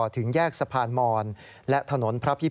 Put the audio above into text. ถึงแยกสะพานมอน